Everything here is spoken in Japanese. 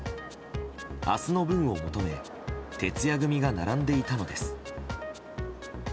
明日の分を求め徹夜組が並んでいたのです。